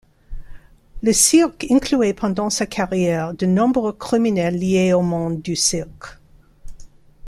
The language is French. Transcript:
Le Cirque incluait pendant sa carrière de nombreux criminels liés au monde du cirque.